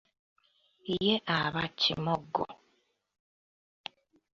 Ye aba kimoggo.